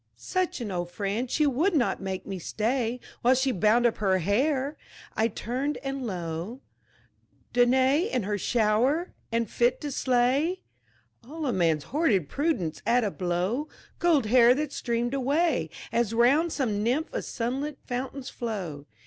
"Such an old friend, she would not make me stay While she bound up her hair." I turned, and lo, Danaë in her shower! and fit to slay All a man's hoarded prudence at a blow: Gold hair that streamed away As round some nymph a sunlit fountain's flow.